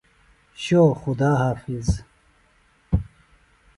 شو خدا حافظ۔